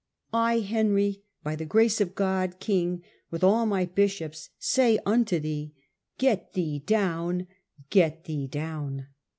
I, Henry, by the grace of God, king, with all my bishops, say unto thee, *' Get thee down, get thee down